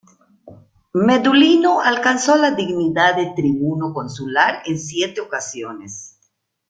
Medulino alcanzó la dignidad de tribuno consular en siete ocasiones.